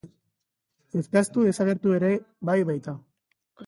Eskastu desagertu ere bai baita.